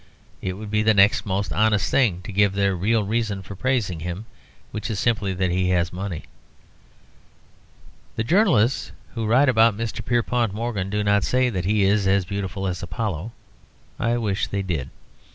It would be the next most honest thing to giving their real reason for praising him, which is simply that he has money. The journalists who write about Mr. Pierpont Morgan do not say that he is as beautiful as Apollo; I wish they did.